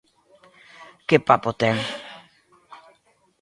Que papo ten!